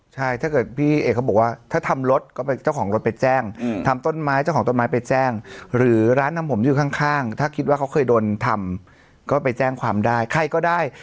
ใช่ถ้าเกิดพี่เอกเขาบอกว่าถ้าทำรถก็เป็นเจ้าของรถไปแจ้งทำต้นไม้เจ้าของต้นไม้ไปแจ้งหรือร้านทำผมอยู่ข้างถ้าคิดว่าเขาเคยโดนทำก็ไปแจ้งความได้ใครก็ได้